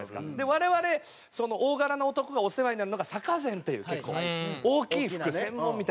我々大柄な男がお世話になるのがサカゼンっていう結構大きい服専門みたいなとこあって。